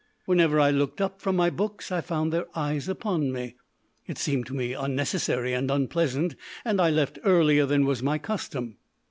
Whenever I looked up from my books I found their eyes upon me. It seemed to me unnecessary and unpleasant, and I left earlier than was my custom.